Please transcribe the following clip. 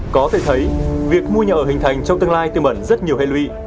có thể thấy việc mua nhà ở hình thành trong tương lai tương bẩn rất nhiều hệ lụy